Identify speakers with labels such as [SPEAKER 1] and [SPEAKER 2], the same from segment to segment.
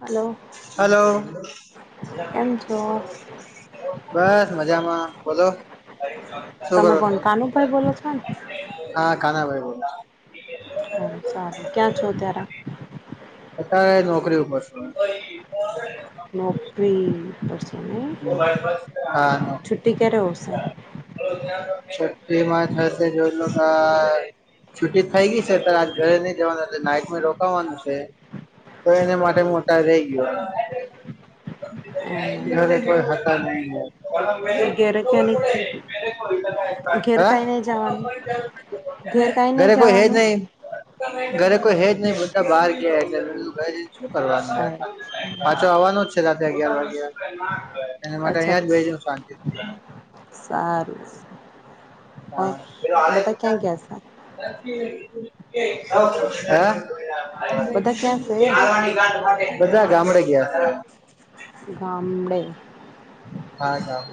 [SPEAKER 1] Hello
[SPEAKER 2] hello
[SPEAKER 1] કેમ છો
[SPEAKER 2] બસ મજામાં બોલો શું કર
[SPEAKER 1] તમે
[SPEAKER 2] છ
[SPEAKER 1] કોણ કાનુભાઈ બોલો છો ને
[SPEAKER 2] હા કાનાભાઈ બોલ
[SPEAKER 1] હ સારું ક્યાં છો ત્યારે
[SPEAKER 2] અત્યારે નોકરી ઉપરશું
[SPEAKER 1] નોકરી નહી
[SPEAKER 2] હા
[SPEAKER 1] છુટ્ટી ક્યારે આવશે
[SPEAKER 2] છઠ્ઠીમાં થશે જો લોકો છુી થઇ ગઈ છે ત્યારે આજ ઘરે નઈ જવાનુંટલે નાઈટમાં રોકાવાનું છે તો એને માટે મોટા રહી ગયો
[SPEAKER 1] એમ ના
[SPEAKER 2] કોઈ હ હતા નહીં હ ે
[SPEAKER 1] ઘેરે ક્યાં નહી ઘેર
[SPEAKER 2] હા
[SPEAKER 1] કાંઈ નહીં જવાનું ઘેર કાંઈ નહીં
[SPEAKER 2] ઘરે કોઈ હેજ
[SPEAKER 1] જવાનું
[SPEAKER 2] નહીિ ઘરે કોઈ હેજ નહિ બતાા બહાર ગયાધ ઘરે શું કરવાનું
[SPEAKER 1] અચ્છા
[SPEAKER 2] પાછો આવવાનું જ છે રાતે અગિયાર વાગ્યા એના માટે
[SPEAKER 1] અચ્છા,
[SPEAKER 2] અહીંયા જ બે જ શાંતિ
[SPEAKER 1] સારું
[SPEAKER 2] હા.
[SPEAKER 1] બતા ક્યાં ક્યાસા
[SPEAKER 2] હા
[SPEAKER 1] બધા ક્યાં છે
[SPEAKER 2] બધા ગામડે ગયા
[SPEAKER 1] ગામડે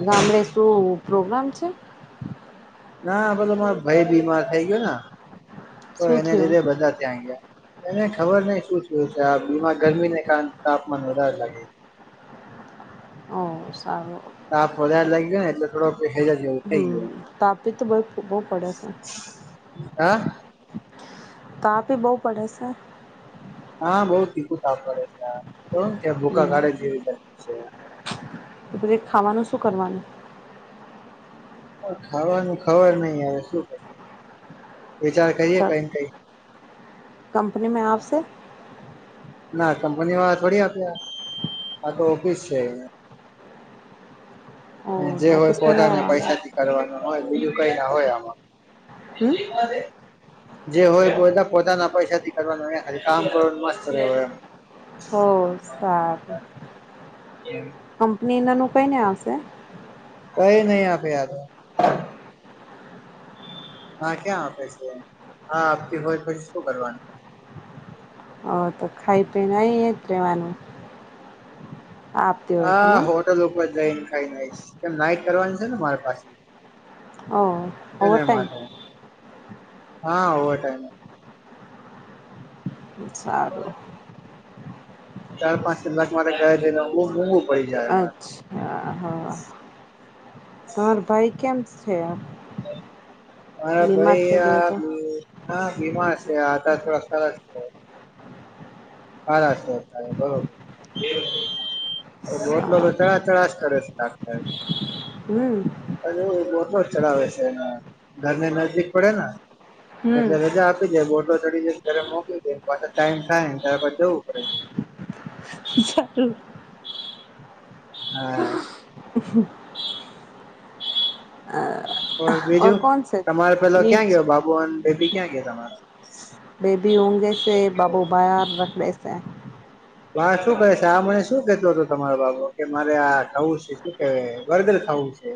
[SPEAKER 1] ગામડે શું પ્રોગ્રામ છે
[SPEAKER 2] ના પેલો મારો ભાઈ બીમાર થઈ ગયો તો
[SPEAKER 1] શું
[SPEAKER 2] એને
[SPEAKER 1] થયું
[SPEAKER 2] લીધે બધા ત્યાં ગયા ના ખબર નહી શું થયું છે આ બીમાર ગરમીને કારણે તાપમાન વધારે લાગે છે
[SPEAKER 1] ઓ સારું
[SPEAKER 2] તાપ વધારે લાગ્યો ને એટલે થોડોક હેજા જેવું થઈ
[SPEAKER 1] હમ
[SPEAKER 2] ગયો
[SPEAKER 1] તાપી તો બહુ બહુ પડે છે
[SPEAKER 2] હા
[SPEAKER 1] તાપે બહુ પડે છે
[SPEAKER 2] હા બહું તીખું તાપ પડે છે તોને કે ભૂખા
[SPEAKER 1] હમ
[SPEAKER 2] કાઢે જેવી જે
[SPEAKER 1] પછી ખાવાનું શું કરવાનું
[SPEAKER 2] ખાવાનું ખબર નઈ હવે શું કરીએ વિચાર કરીએ કઈ કઈ
[SPEAKER 1] કંપની મે આપશે
[SPEAKER 2] ના કંપની વા થોડી આપે આ તો ઓફિસ છે
[SPEAKER 1] ઓ
[SPEAKER 2] જે
[SPEAKER 1] તો
[SPEAKER 2] હોય
[SPEAKER 1] ઓફિસમાં નહીં
[SPEAKER 2] પોતાને
[SPEAKER 1] આવવાનું
[SPEAKER 2] પૈસા થી કરવાનું હોય બીજું કઈ ના હોય આમાં
[SPEAKER 1] હમ
[SPEAKER 2] [inaudible] જે હોય બધા પોતાના પૈસાથી કરવાનું ખાલી કામ કરવાનું મસ્ત રહે
[SPEAKER 1] હો સારું નેના રોકાઈને આવશે
[SPEAKER 2] કઈ નહી આપે યાર હા ક્યાં આપે છે હા આપતી હોય પછી શું કરવાનું
[SPEAKER 1] ઓ તો ખાય પીને અહીને રેવાનું
[SPEAKER 2] હા હોટલ ઉપર જઈને ખાઈ આઈસ કેમ નાઈક કરવાની છે ને મારે પાસે
[SPEAKER 1] ઓ ઓવર
[SPEAKER 2] એના
[SPEAKER 1] ટાઈમ
[SPEAKER 2] માટે હા ઓવર ટાઈમ
[SPEAKER 1] સારું
[SPEAKER 2] ચાર પાંચ કલાક મારે ગયા છેને હું
[SPEAKER 1] અચ્છા હા તમારો ભાઈ કેમ છે
[SPEAKER 2] હા
[SPEAKER 1] બીમાર
[SPEAKER 2] ભાઈ
[SPEAKER 1] થઈ ગયો
[SPEAKER 2] આ
[SPEAKER 1] તો
[SPEAKER 2] હા બીમાર છે અત્યાર થોડા સરસ છે હા [unintelligible] બોટલો તો
[SPEAKER 1] સારું
[SPEAKER 2] ચળય ચળય કરે છે
[SPEAKER 1] હમ
[SPEAKER 2] ડોક્ટર અરે એ બોટલો જ ચળાવે છે એના ઘરની નજીક પડે ને
[SPEAKER 1] હમ
[SPEAKER 2] એટલે રજા આપી જે બોટલ ચડી જાય ઘરે મોકલી દે પાછા ટાઈમ થાય ત્યારબ જવું પડે
[SPEAKER 1] [unintelligible]
[SPEAKER 2] હ
[SPEAKER 1] ઓર
[SPEAKER 2] બીજું
[SPEAKER 1] કોણ છે
[SPEAKER 2] તમારે પેલો
[SPEAKER 1] બીજ
[SPEAKER 2] ક્યાં ગયો બાબુ અને બેબી ક્યાં ગયા તમારે
[SPEAKER 1] બેબી ઊંગે છે બાબુ [unintelligible]
[SPEAKER 2] હ શું કહે છે આ મને શું કેતોં હતો તમારા બાબો કે મારે આ થવું છે શું કે વર્ગલ થવું છે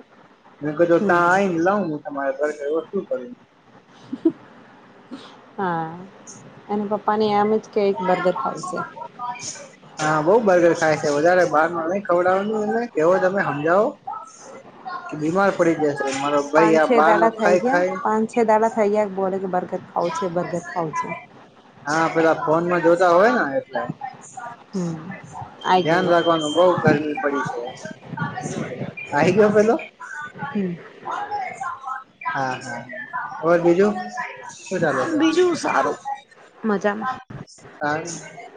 [SPEAKER 2] મે ક ત્યાં
[SPEAKER 1] હમ
[SPEAKER 2] આવીઈને લાવ તમારે ઘર શું કર
[SPEAKER 1] એ પપ્પાને આમ જ કે એક બર્ગર ખાવ છે
[SPEAKER 2] હા બહું બર્ગર ખાય છે વધારે બહારનું નહી ખવડાવવાનું એમને કેવો તમે સમજાવો બીમાર પડી જાય છે
[SPEAKER 1] પાંચ છે દાડા થઈ ગયા પાંચ છ દાડા થઈ ગયા બોલે બર્ગર બર્ગર ખાવું છે બર્ગર ખાવું છે
[SPEAKER 2] હા પેલા ફોનમાં જોતા હોય ને એટલે
[SPEAKER 1] હમ આઈ
[SPEAKER 2] ધ્યાન
[SPEAKER 1] ગયો
[SPEAKER 2] રાખવાનું બહું ગરમી પડી છે આઈ ગયો પેલો
[SPEAKER 1] હમ
[SPEAKER 2] હા હા ઓવે બીજું શજાલ
[SPEAKER 1] બીજું
[SPEAKER 2] છે.
[SPEAKER 1] સારું મજામાં
[SPEAKER 2] હા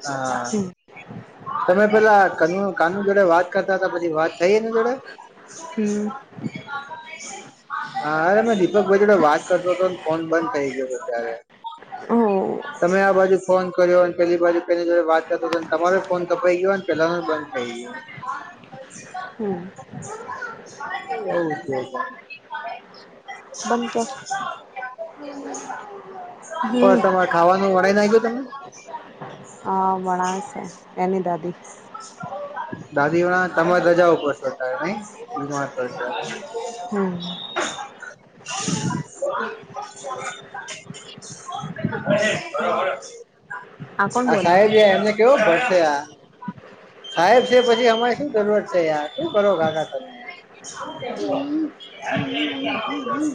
[SPEAKER 2] હા.
[SPEAKER 1] હમ
[SPEAKER 2] તમે પેલા ક કાનૂન જોડે વાત કરતા હતા પછી વાત થઈ એ ને જોડે
[SPEAKER 1] હમ.
[SPEAKER 2] હા અરે મે દીપક ભાઈ જોડે વાત કરતો હતો ફોન બંધ થઇ ગયો હતો. [inaudible]
[SPEAKER 1] હ.
[SPEAKER 2] તમે આ બાજુ ફોન કર્યો અને પેલી બાજુ પે જો વાત કરતો હતો તમારો ફોન કપાઈ ગયો અનેને પેલા ન બંધ થઈ
[SPEAKER 1] હમ
[SPEAKER 2] ગયો. હ. [inaudible] સમ
[SPEAKER 1] બંધ કર
[SPEAKER 2] પણ
[SPEAKER 1] હમ
[SPEAKER 2] તમારે ખાવાનું વડાઈ નાખ ગયો તમે.
[SPEAKER 1] હા વણાવ છે એની દાદી
[SPEAKER 2] દાદીણા તમામે રજા પશો ત નહી બીજ
[SPEAKER 1] હમ.
[SPEAKER 2] [inaudible] બરોબર
[SPEAKER 1] કોણ
[SPEAKER 2] આ
[SPEAKER 1] બોલા
[SPEAKER 2] સાહેબબ એમને કેવો ભરસે આ સાહેબ છે પછી અમારે શું જરૂરત છે યાર શું કરો કાકા તમે?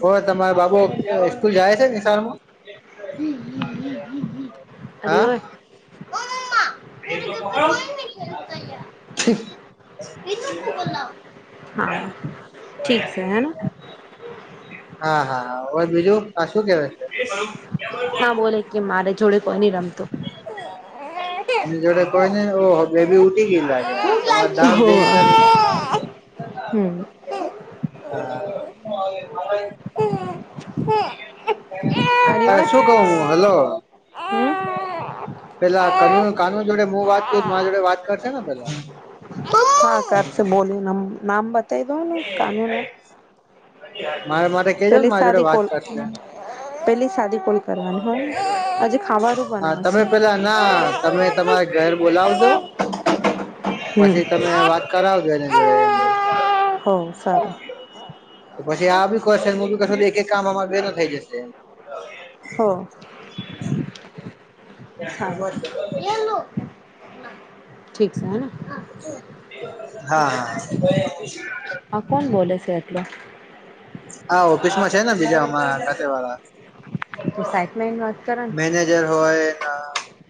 [SPEAKER 2] હોવે તમારે બાબુ સ્કૂલ જાય છે નિશારમાં
[SPEAKER 1] અરે ઓ
[SPEAKER 2] [inaudible]
[SPEAKER 1] હા ઠીક છે હેના.
[SPEAKER 2] હા હા હવે બીજું આ શું કેવા છે.
[SPEAKER 1] ના બોલે કે મારે જોડે કોઈ નઈ રમતું.
[SPEAKER 2] એની જોડે કોઈ ને બેબી ઉઠી ગય લાગે. તમાર ધામધીમ
[SPEAKER 1] હોવે
[SPEAKER 2] ચાલુ.
[SPEAKER 1] હમ
[SPEAKER 2] હ.
[SPEAKER 1] અરે
[SPEAKER 2] અ
[SPEAKER 1] વા
[SPEAKER 2] શું કહું હું હલો.
[SPEAKER 1] હમ
[SPEAKER 2] પેલા કાનૂ કાનૂન જોડે હું વાત કરું મા જોડે વાત કરશે ને પેલા.
[SPEAKER 1] હા ઘસે બોલોમ નામ બતા દો ના કાનૂન હ
[SPEAKER 2] મારે માટે કજ ને મારા જોડે વાત
[SPEAKER 1] કોલ
[SPEAKER 2] કરશે.
[SPEAKER 1] પેલી સાદી કોલ કરવાની હોય. આજે ખાવાનું
[SPEAKER 2] હા તમે
[SPEAKER 1] બનાવશે
[SPEAKER 2] પેલા ના તમે તમારે ઘર બોલાવજો.
[SPEAKER 1] હમ
[SPEAKER 2] પછી તમે વાત કરાવજો એને જોડે
[SPEAKER 1] હો સારું.
[SPEAKER 2] તો પછી આ બી ખશે બી ક એક એક કામ અમાં બેે ન થઈ જશેમ.
[SPEAKER 1] હો. સારું ઠીક છે હેને.
[SPEAKER 2] હા હા.
[SPEAKER 1] હા કોણ બોલે છે એતલે
[SPEAKER 2] હા ઓફિસમાં છે ને બીજામાં ક વાળા
[SPEAKER 1] તો સાઈટમાં એની વાત કરે ને
[SPEAKER 2] મેનેજર હોય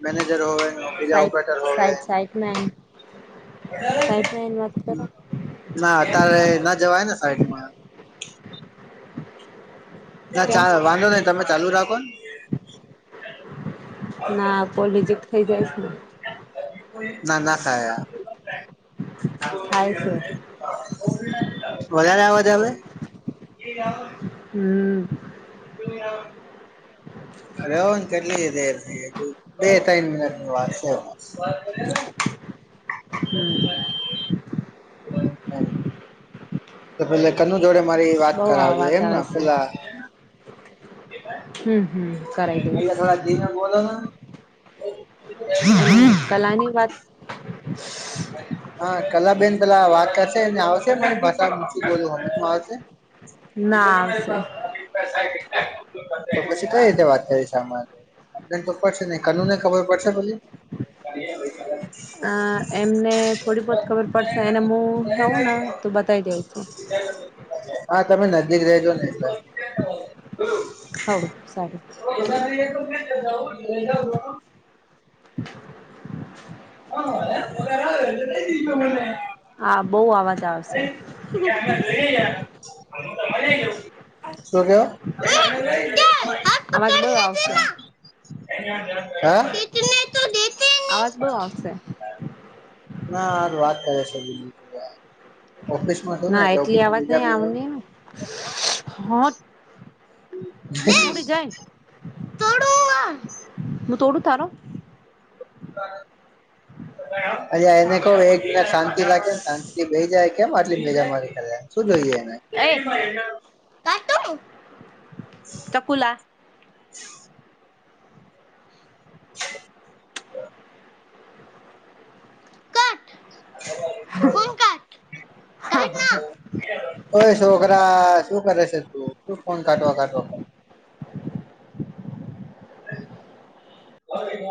[SPEAKER 2] મેનેજર હોય. બીજા
[SPEAKER 1] સાઈટ
[SPEAKER 2] ઓપરેટર હોવે હ
[SPEAKER 1] સાઈટ સાઈટમાં એન સાઈટમાં એની વાત કરે
[SPEAKER 2] ના અત્યારે ના જવાય ને સાઈડમાં ના
[SPEAKER 1] કેમ
[SPEAKER 2] ચા વાંધો નહી તમે ચાલુ રાખો ને
[SPEAKER 1] ના પોલીજીક થઇ જાયશ ને
[SPEAKER 2] ના ના ખા
[SPEAKER 1] થાય છે
[SPEAKER 2] વધારે આવ ત હમે
[SPEAKER 1] હમ.
[SPEAKER 2] [unintelligible]
[SPEAKER 1] હ
[SPEAKER 2] હલો કેટલી દેર થઈ, બે તઈન મિનટની વાત છે [unintelligible]
[SPEAKER 1] હમ
[SPEAKER 2] [unintelligible] [inaudible] તો પેલે કનુ જોડે મારી વાત
[SPEAKER 1] બઉ
[SPEAKER 2] કરાવજે,
[SPEAKER 1] અવાજ
[SPEAKER 2] એમ
[SPEAKER 1] આવે
[SPEAKER 2] ન
[SPEAKER 1] છે
[SPEAKER 2] પેલા
[SPEAKER 1] હમ હમ કરાય
[SPEAKER 2] અહિયાં
[SPEAKER 1] દઈશ.
[SPEAKER 2] થોડા ધીમે બોલો ને
[SPEAKER 1] અને કલાની વાત
[SPEAKER 2] હા! કલાબેન પેલા વાત કરશે, ને એ આવશે, ને ભાષા બીજી બોલહમજમાં આવશે? [unintelligible]
[SPEAKER 1] ના આવશે
[SPEAKER 2] [unintelligible] તો પછી કઈ રીતે વાત કરીશ આમા? નઈ તો પડશે નઈ કનુને ખબર પડશે પછી? [unintelligible]
[SPEAKER 1] ને થોડી બોત ખબર પડશે એને મું જાઉંના તો બતાઈ દઉં શું.
[SPEAKER 2] [inaudible] હા! તમે નજીક રેજો ને
[SPEAKER 1] હવ સારું
[SPEAKER 2] [unintelligible] [unintelligible] [unintelligible] હા! એમ, [unintelligible]
[SPEAKER 1] આ બઉ અવાજ આવશે.
[SPEAKER 2] [unintelligible] શું કેવ? [unintelligible]
[SPEAKER 1] અવાજ બઉ આવશે.
[SPEAKER 2] [unintelligible] હા?
[SPEAKER 1] [unintelligible] આવાજ બો આવશે.
[SPEAKER 2] નાર વાત કરે છે [unintelligible] ઓફિસ માં છું ને,
[SPEAKER 1] ના
[SPEAKER 2] એટલે
[SPEAKER 1] એટલી
[SPEAKER 2] ઓફિસમાં
[SPEAKER 1] અવાજ
[SPEAKER 2] બીજા
[SPEAKER 1] નહી
[SPEAKER 2] બી હોય [inaudible]
[SPEAKER 1] આવની ને. હોટ
[SPEAKER 2] [unintelligible]
[SPEAKER 1] તોડું હુંઅ, હું તોડું તારો? [inaudible]
[SPEAKER 2] [unintelligible] અને એને કો એ [unintelligible] શાંતિ રાખે, શાંતિથી બેહી જાય, કેમ આટલી ભેજા મારી કરે? શું જોઈએ?
[SPEAKER 1] એ
[SPEAKER 2] [unintelligible]
[SPEAKER 1] કાટું ચકુલા
[SPEAKER 2] [inaudible]
[SPEAKER 1] હમ, હમ
[SPEAKER 2] ઓય સોકરા શું કરે છે તું? શું ફોન કાઢવા કાઢવા કરે?
[SPEAKER 1] [inaudible]
[SPEAKER 2] [unintelligible]